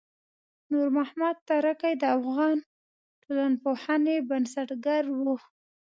نورمحمد ترکی د افغان ټولنپوهنې بنسټګر و.